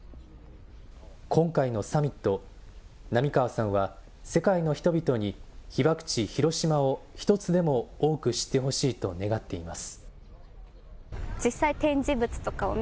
今回のサミット、並川さんは世界の人々に被爆地、広島を１つでも多く知ってほしいと願っています。